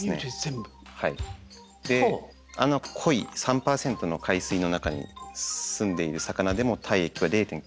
あの濃い３％の海水の中に住んでいる魚でも体液は０．９％。